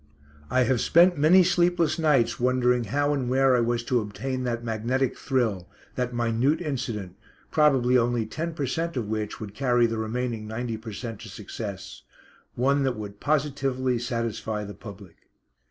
I have spent many sleepless nights wondering how and where I was to obtain that magnetic thrill, that minute incident, probably only ten per cent of which would carry the remaining ninety per cent to success. One that would positively satisfy the public.